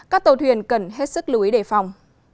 các tàu thuyền cần hết sức lưu ý đề phòng